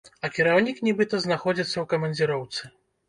А кіраўнік, нібыта, знаходзіцца ў камандзіроўцы.